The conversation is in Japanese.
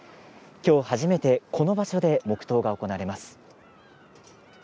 今日初めて、この場所で黙とうが行われます。